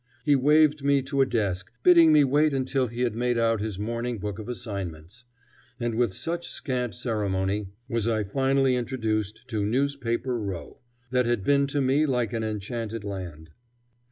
He waved me to a desk, bidding me wait until he had made out his morning book of assignments; and with such scant ceremony was I finally introduced to Newspaper Row, that had been to me like an enchanted land.